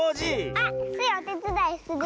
あっスイおてつだいする！